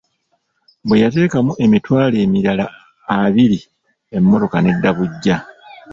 Bwe yateekamu emitwalo emirala abiri emmotoka n'edda buggya.